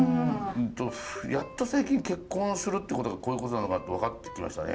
本当やっと最近結婚するってことがこういうことなのかって分かってきましたね。